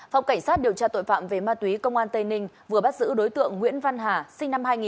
phòng cảnh sát điều tra tội phạm về ma túy công an tây ninh vừa bắt giữ đối tượng nguyễn văn hà sinh năm hai nghìn